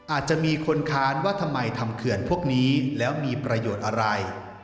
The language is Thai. อาจจะมีคนค้านว่าทำไมทำเขื่อนพวกนี้แล้วมีประโยชน์อะไร